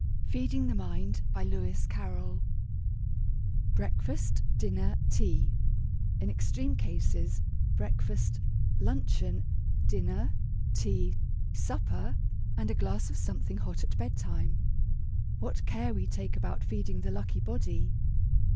_ FEEDING THE MIND Breakfast, dinner, tea; in extreme cases, breakfast, luncheon, dinner, tea, supper, and a glass of something hot at bedtime. What care we take about feeding the lucky body!